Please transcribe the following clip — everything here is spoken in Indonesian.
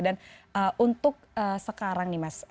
dan untuk sekarang nih mas